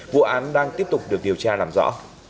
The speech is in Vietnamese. vụ án đang tiếp tục được điều tra làm rõ